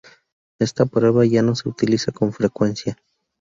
Esta prueba ya no se utiliza con frecuencia.